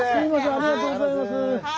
ありがとうございます。